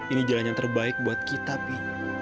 ini jalan yang terbaik buat kita pi